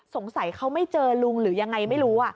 สงสัยเขาไม่เจอลุงหรือยังไงไม่รู้